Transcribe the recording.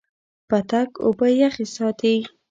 پتک اوبه یخې ساتي.